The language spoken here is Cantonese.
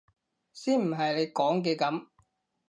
先唔係你講嘅噉！